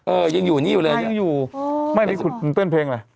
เออยังอยู่นี่อยู่เลยยังอยู่ไม่มีคุณเต้นเพลงอะไร